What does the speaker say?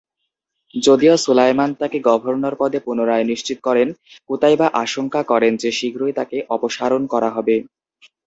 যদিও সুলায়মান তাকে গভর্নর পদে পুনরায় নিশ্চিত করেন, কুতাইবা আশঙ্কা করেন যে শীঘ্রই তাকে অপসারণ করা হবে।